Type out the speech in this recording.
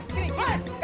kenapa itu dia